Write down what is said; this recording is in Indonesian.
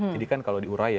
jadi kan kalau diuraya